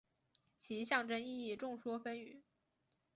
其象征意义众说纷纭。